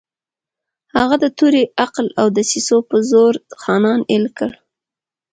هغه د تورې، عقل او دسیسو په زور خانان اېل کړل.